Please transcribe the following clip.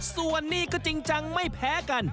ส่วนนี้ก็จริงจังไม่แพ้กัน